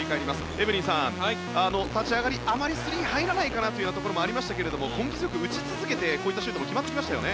エブリンさん、立ち上がりあまりスリーが入らないかなというところもありましたが根気強く打ち続けてこういったシュートも決まってきましたよね。